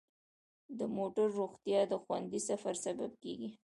د موټرو روغتیا د خوندي سفر سبب کیږي.